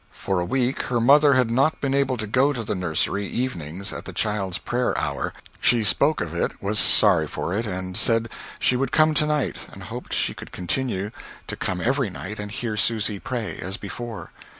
For a week, her mother had not been able to go to the nursery, evenings, at the child's prayer hour. She spoke of it was sorry for it, and said she would come to night, and hoped she could continue to come every night and hear Susy pray, as before.